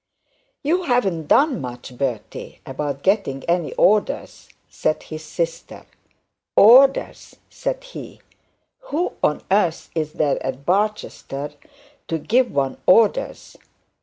'You haven't done much, Bertie, about getting any orders,' said his sister. 'Orders!' said he; 'who on earth is there at Barchester to give some orders?